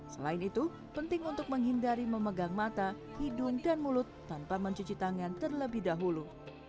selain itu penting untuk menghindari memegang mata hidung dan mulut tanpa mencuci tangan terlebih dahulu